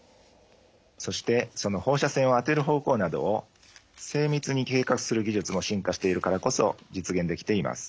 そしてその放射線を当てる方向などを精密に計画する技術も進化しているからこそ実現できています。